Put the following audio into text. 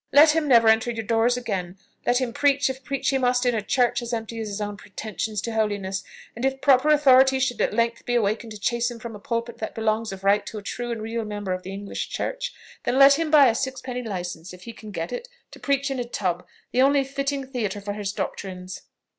Let him never enter your doors again; let him preach (if preach he must) in a church as empty as his own pretensions to holiness; and if proper authority should at length be awaked to chase him from a pulpit that belongs of right to a true and real member of the English church, then let him buy a sixpenny licence, if he can get it, to preach in a tub, the only fitting theatre for his doctrines."